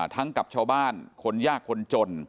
กับชาวบ้านคนยากคนจน